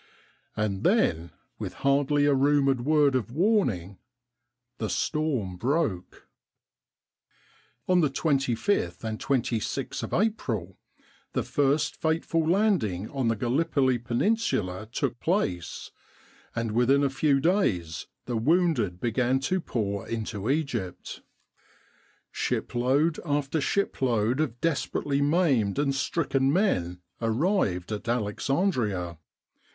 And then, with hardly a rumoured word of warning, the storm broke. On the 25th 26th of April the first fateful landing on the Gallipoli Peninsula took place, and within a 24 Egypt and the Great War few days the wounded began to pour into Egypt, Shipload after shipload of desperately maimed and stricken men arrived at Alexandria.